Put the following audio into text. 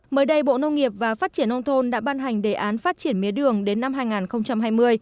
mới đây bộ nông nghiệp và phát triển nông thôn đã ban hành đề án phát triển mía đường đến năm hai nghìn hai mươi